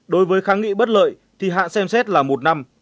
đối với kháng nghị bất lợi thì hạn xem xét là một năm